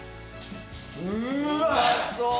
うわ！